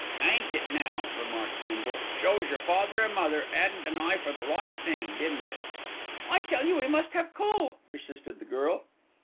"Ain't it now," remarked Bindle; "shows your father and mother 'adn't an eye for the right thing, don't it?" "I tell you we must have coal," persisted the girl.